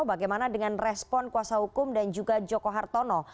bagaimana dengan respon kuasa hukum dan juga joko hartono